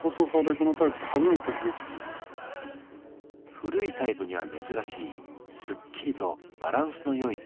古いタイプには珍しいスッキリとバランスのよいデザイン。